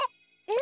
え？